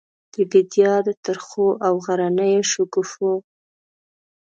د بیدیا د ترخو او غرنیو شګوفو،